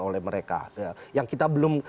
oleh mereka yang kita belum